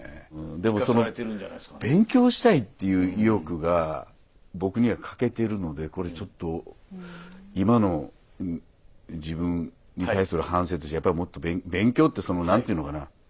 でもその勉強したいっていう意欲が僕には欠けているのでこれちょっと今の自分に対する反省としてやっぱりもっと勉強ってその何ていうのかな